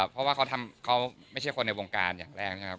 เพราะว่าเขาไม่ใช่คนในวงการอย่างแรกนะครับ